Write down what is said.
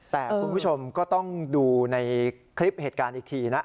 แต่คุณผู้ชมก็ต้องดูในคลิปเหตุการณ์อีกทีนะ